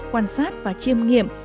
quan sát và chiêm nghiệm